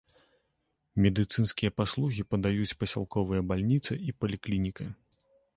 Медыцынскія паслугі падаюць пасялковая бальніца і паліклініка.